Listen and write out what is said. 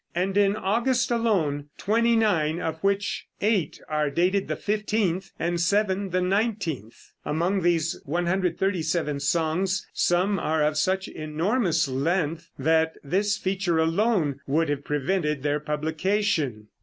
And in August alone twenty nine, of which eight are dated the 15th, and seven the 19th. Among these 137 songs some are of such enormous length that this feature alone would have prevented their publication.